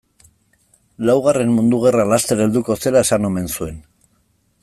Laugarren mundu gerra laster helduko zela esan omen zuen.